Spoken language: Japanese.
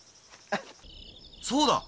そうだ。